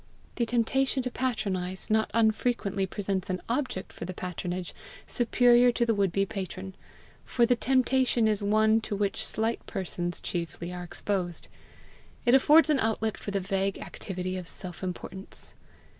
The temptation to patronize not unfrequently presents an object for the patronage superior to the would be patron; for the temptation is one to which slight persons chiefly are exposed; it affords an outlet for the vague activity of self importance.